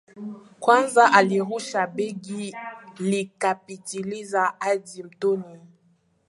Kwanza alirusha begi likapitiliza hadi mtoni